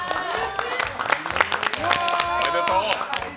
おめでとう。